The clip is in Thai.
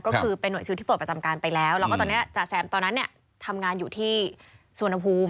ก็คือเป็นห่วยซิลที่เปิดประจำการไปแล้วแล้วก็ตอนนี้จาแซมตอนนั้นเนี่ยทำงานอยู่ที่สวนภูมิ